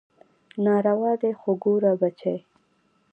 ناروا دي خو ګوره بچى.